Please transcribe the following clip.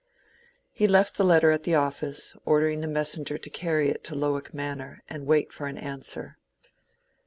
He left the letter at the office, ordering the messenger to carry it to Lowick Manor, and wait for an answer.